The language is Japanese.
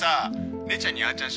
姉ちゃんにあちゃん